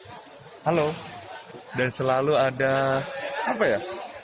mereka bersedia untuk mengayomi dan selalu ada